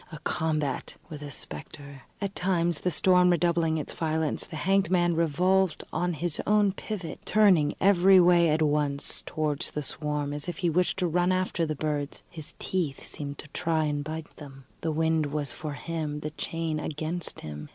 A combat with a spectre! At times the storm redoubling its violence, the hanged man revolved on his own pivot, turning every way at once towards the swarm, as if he wished to run after the birds; his teeth seemed to try and bite them. The wind was for him, the chain against him.